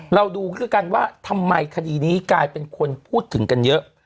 เราดูด้วยกันว่าทำไมคดีนี้กลายเป็นคนพูดถึงกันเยอะ